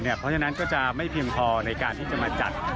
เพราะฉะนั้นก็จะไม่เพียงพอในการที่จะมาจัด